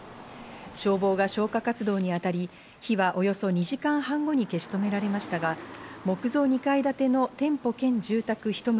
消防が消火活動に当たり、火はおよそ２時間半後に消し止められましたが、木造２階建ての店舗兼住宅一棟